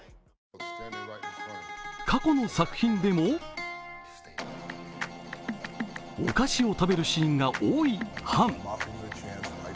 過去の作品でも、お菓子を食べるシーンが多いハン。